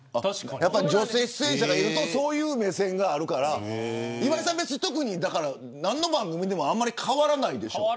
女性出演者がいるとそういう目線があるから岩井さん、特に何の番組でもあんまり変わらないでしょう。